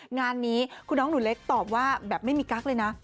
งานนี้คือน้องหนูเล็กตอบว่าแบบไม่มีกั๊กเลยนะ